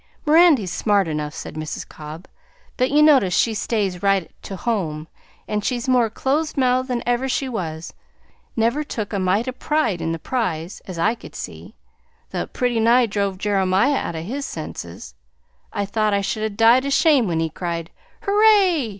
"Mirandy 's smart enough," said Mrs. Cobb, "but you notice she stays right to home, and she's more close mouthed than ever she was; never took a mite o' pride in the prize, as I could see, though it pretty nigh drove Jeremiah out o' his senses. I thought I should 'a' died o' shame when he cried 'Hooray!'